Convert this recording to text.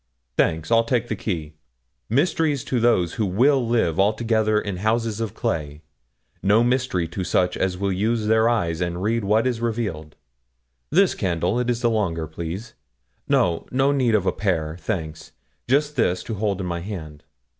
Thanks, I'll take the key. Mysteries to those who will live altogether in houses of clay, no mystery to such as will use their eyes and read what is revealed. This candle, it is the longer, please; no no need of a pair, thanks; just this, to hold in my hand.